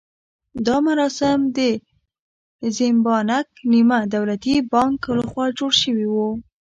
دا مراسم د زیمبانک نیمه دولتي بانک لخوا جوړ شوي وو.